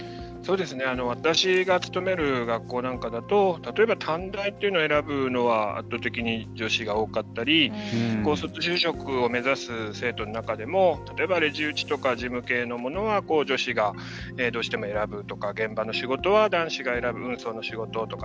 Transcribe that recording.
私が勤める学校なんかだと例えば短大というのを選ぶのは圧倒的に女子が多かったり高卒就職を目指す生徒の中でも例えばレジ打ちとか事務系のものは女子がどうしても選ぶとか現場の仕事は男子が選ぶ運送の仕事とか。